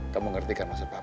kamu ngerti kan maksud papi